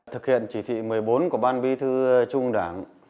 thực hiện chỉ thị một mươi bốn của ban bí thư trung đảng